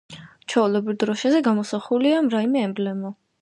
ჩვეულებრივ დროშაზე გამოსახულია რაიმე ემბლემა.